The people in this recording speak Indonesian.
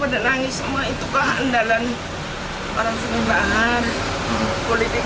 katanya hukum putri katanya dianggap anak sendiri kok